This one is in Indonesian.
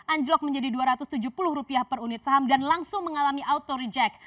anjlok menjadi rp dua ratus tujuh puluh per unit saham dan langsung mengalami auto reject